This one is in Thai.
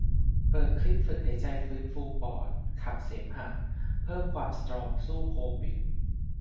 เปิดคลิปฝึกหายใจฟื้นฟูปอดขับเสมหะ เพิ่มความสตรองสู้โควิด